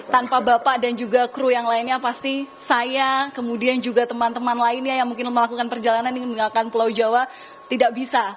tanpa bapak dan juga kru yang lainnya pasti saya kemudian juga teman teman lainnya yang mungkin melakukan perjalanan ingin meninggalkan pulau jawa tidak bisa